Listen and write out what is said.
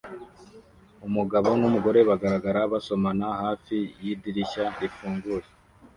Umugabo numugore bagaragara basomana hafi yidirishya rifunguye